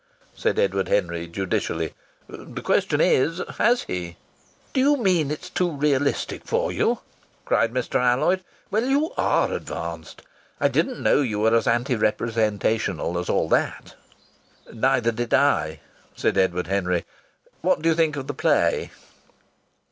said Edward Henry, judicially. "The question is has he?" "Do you mean it's too realistic for you?" cried Mr. Alloyd. "Well, you are advanced! I didn't know you were as anti representational as all that!" "Neither did I!" said Edward Henry. "What do you think of the play?"